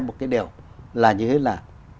một cái điều là như thế là